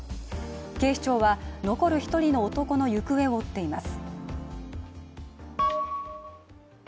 警視庁は残る１人の男の行方を追っています。